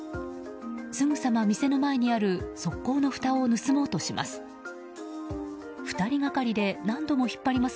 すぐさま店の前にある側溝のふたを盗もうとします。